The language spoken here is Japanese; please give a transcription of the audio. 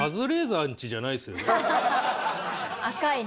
赤いね。